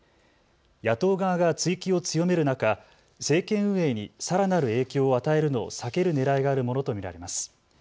野党側が追及を強める中、政権運営にさらなる影響を与えるのを避けるねらいがあるものと見られます。